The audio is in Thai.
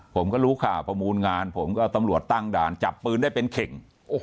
ผมก็รู้ข่าวประมูลงานผมก็ตำรวจตั้งด่านจับปืนได้เป็นเข่ง